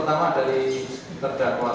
terima kasih untuk banyak persan